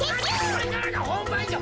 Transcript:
これからがほんばんじゃ。